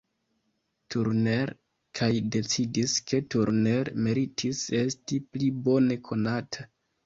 Turner kaj decidis ke Turner meritis esti pli bone konata.